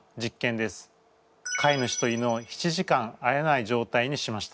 飼い主と犬を７時間会えないじょうたいにしました。